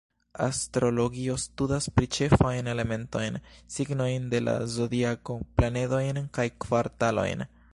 Astrologio studas tri ĉefajn elementojn: signojn de la zodiako, planedojn kaj kvartalojn.